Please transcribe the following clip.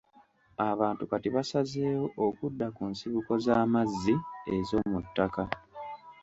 Abantu kati basazeewo okudda ku nsibuko z'amazzi ez'omuttaka.